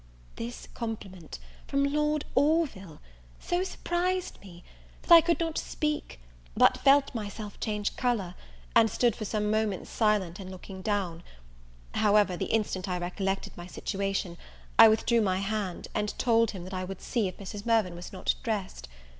This compliment, from Lord Orville, so surprised me, that I could not speak; but felt myself change colour, and stood for some moments silent, and looking down: however, the instant I recollected my situation, I withdrew my hand, and told him that I would see if Mrs. Mirvan was not dressed.